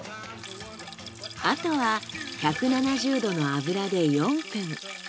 あとは１７０℃の油で４分。